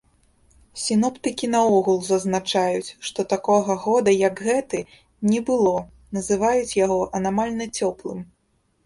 Сіноптыкі наогул зазначаюць, што такога года, як гэты, не было, называюць яго анамальна цёплым.